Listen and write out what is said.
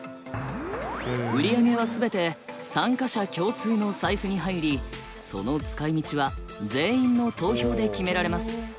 売り上げは全て参加者共通の財布に入りその使いみちは全員の投票で決められます。